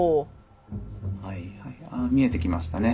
はいはいあ見えてきましたね。